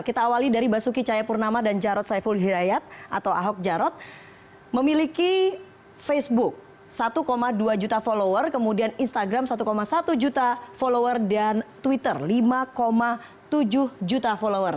kita awali dari basuki cayapurnama dan jarod saiful hidayat atau ahok jarot memiliki facebook satu dua juta follower kemudian instagram satu satu juta follower dan twitter lima tujuh juta follower